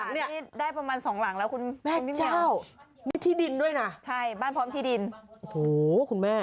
นี่ได้กี่หลังนี่แม่เจ้ามีที่ดินด้วยนะพร้อมที่ดินโอ้โฮคุณแม่